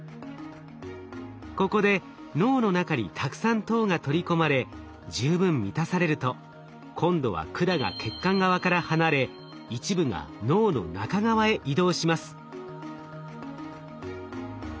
ここで脳の中にたくさん糖が取り込まれ十分満たされると今度は管が血管側から離れ一部が脳の中側へ移動します。